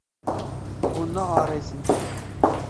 Hûn naarêsin.